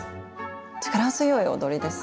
力強い踊りですね。